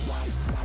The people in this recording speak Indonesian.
lo mandi ke rumah